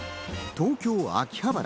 東京・秋葉原。